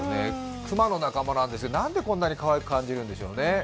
熊の仲間なんですが、なんでこんなにかわいく感じるんですかね。